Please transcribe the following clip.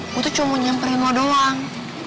gue tuh cuma nyamperin lo doang